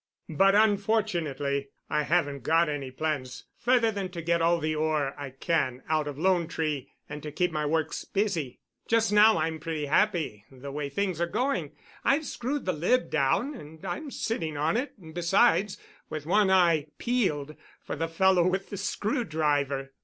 "But, unfortunately, I haven't got any plans—further than to get all the ore I can out of 'Lone Tree' and to keep my works busy. Just now I'm pretty happy the way things are going. I've screwed the lid down, and I'm sitting on it, besides—with one eye peeled for the fellow with the screw driver."